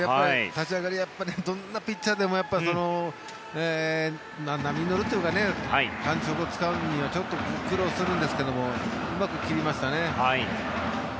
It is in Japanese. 立ち上がりどんなピッチャーでも波に乗るというか感触をつかむにはちょっと苦労するんですけどうまく切りましたね。